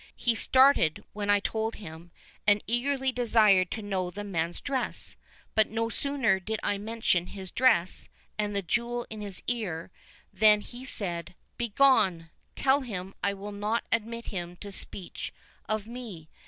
He started when I told him, and eagerly desired to know the man's dress; but no sooner did I mention his dress, and the jewel in his ear, than he said, 'Begone! tell him I will not admit him to speech of me.